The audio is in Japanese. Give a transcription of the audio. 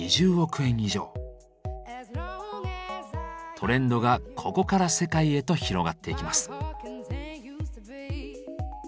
トレンドがここから世界へと広がっていきます。